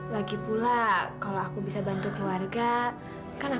lagipula kalau aku bisa bantu keluarga kan aku senang